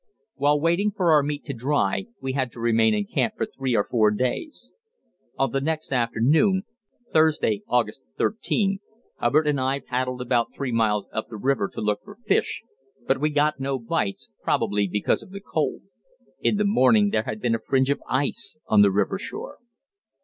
While waiting for our meat to dry, we had to remain in camp for three or four days. On the next afternoon (Thursday, August 13) Hubbard and I paddled about three miles up the river to look for fish, but we got no bites, probably because of the cold; in the morning there had been a fringe of ice on the river shore.